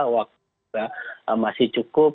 waktu kita masih cukup